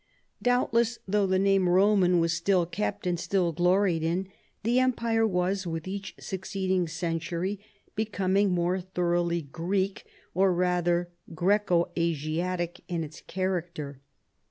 Doubtless, though the name " Roman " was still kept and still gloried in, the empire was, with each succeeding century, becoming more thoroughly Greek, or rather Graeco Asiatic, in its character.